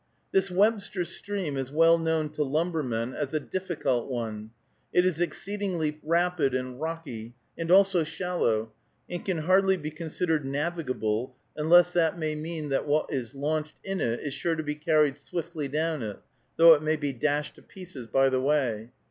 This Webster Stream is well known to lumbermen as a difficult one. It is exceedingly rapid and rocky, and also shallow, and can hardly be considered navigable, unless that may mean that what is launched in it is sure to be carried swiftly down it, though it may be dashed to pieces by the way.